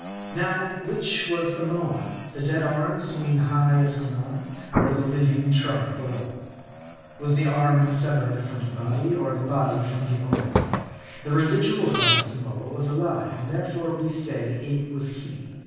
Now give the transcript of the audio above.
Now, which was Samoa ? The dead arm swinging high as Haman ? Or the living trunk below ? Was the arm severed from the body, or the body from the arm ? The residual part of Samoa was alive, and therefore we say it was he.